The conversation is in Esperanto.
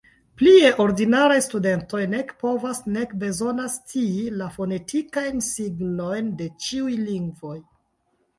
Plie, ordinaraj studentoj nek povas, nek bezonas scii la fonetikajn signojn de ĉiuj lingvoj.